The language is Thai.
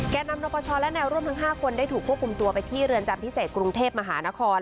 นำนปชและแนวร่วมทั้ง๕คนได้ถูกควบคุมตัวไปที่เรือนจำพิเศษกรุงเทพมหานคร